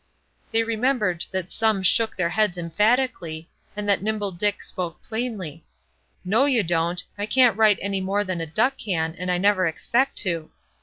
They remembered that some shook their heads emphatically, and that Nimble Dick spoke plainly: "No you don't! I can't write any more than a duck can, and I never expect to."